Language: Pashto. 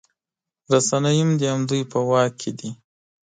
رسنۍ هم د همدوی په واک کې دي